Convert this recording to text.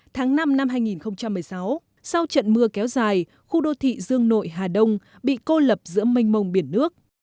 tháng năm năm hai nghìn một mươi sáu sau trận mưa kéo dài khu đô thị dương nội hà đông bị cô lập giữa mênh mông biển nước